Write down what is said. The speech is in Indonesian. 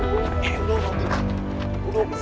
udah udah udah